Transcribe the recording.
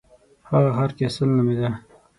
هغه ښار کسل نومیده.